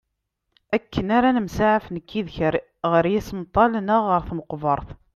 Akken ara nemsaɛaf nekk yid-k ɣer isemṭal neɣ ɣer tmeqbert.